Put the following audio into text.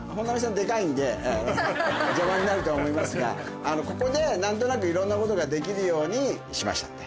デカいんで邪魔になるとは思いますがここで何となくいろんなことができるようにしましたんで。